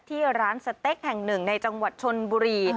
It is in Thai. ที่ร้านสเต็กแห่งหนึ่งในจังหวัดชนบุรี